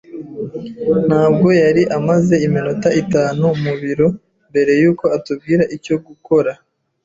Ntabwo yari amaze iminota itanu mu biro mbere yuko atubwira icyo gukora.